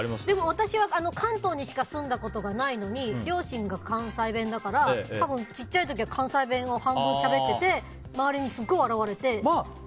でも、私は関東にしか住んだことがないのに両親が関西弁だから、小さい時は関西弁を半分しゃべってて周りにすごい笑われて。